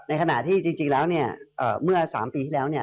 ในขณะที่จริงจริงแล้วเนี่ยเอ่อเมื่อสามปีที่แล้วเนี่ย